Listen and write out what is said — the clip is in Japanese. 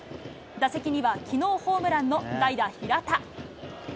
打席には、きのうホームランの代打、平田。